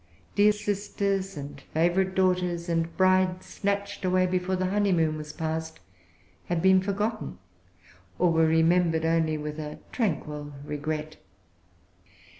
Dear sisters, and favorite daughters, and brides snatched away before the honeymoon was passed, had been forgotten, or were remembered only with a tranquil regret.